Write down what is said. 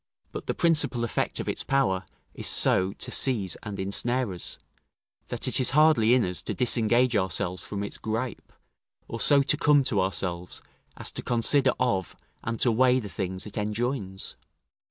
But the principal effect of its power is, so to seize and ensnare us, that it is hardly in us to disengage ourselves from its gripe, or so to come to ourselves, as to consider of and to weigh the things it enjoins.